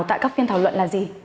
tại các phiên thảo luận là gì